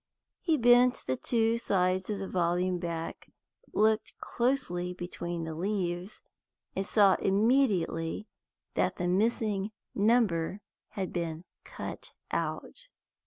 He bent the two sides of the volume back, looked closely between the leaves, and saw immediately that the missing number had been cut out.